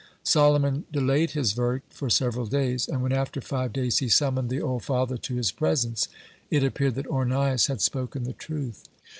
Solomon delayed his verdict for several days, and when after five days he summoned the old father to his presence, it appeared that Ornias had spoken the truth.